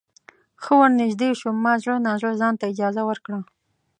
ښه ورنږدې شوم ما زړه نا زړه ځانته اجازه ورکړه.